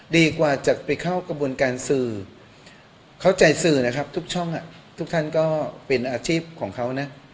ดีกว่าจะไปเข้ากระบวนการสื่อเข้าใจสื่อนะครับทุกช่องทุกท่านก็เป็นอาชีพของเขานะ